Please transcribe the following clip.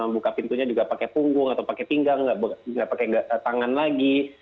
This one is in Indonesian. buka pintunya juga pakai punggung atau pakai pinggang tidak pakai tangan lagi